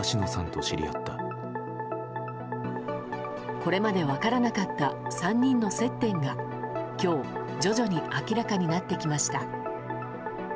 これまで分からなかった３人の接点が今日、徐々に明らかになってきました。